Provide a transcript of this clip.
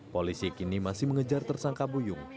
polisi kini masih mengejar tersangka buyung